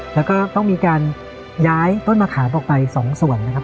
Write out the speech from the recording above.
แล้วก็ต้องมีการย้ายต้นมะขามออกไป๒ส่วนนะครับ